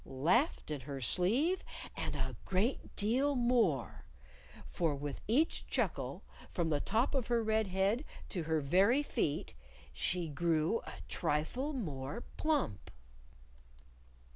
_ Laughed in her sleeve and a great deal more! For with each chuckle, from the top of her red head to her very feet, _she grew a trifle more plump!